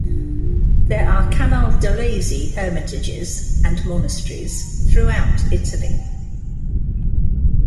There are Camaldolese hermitages and monasteries throughout Italy.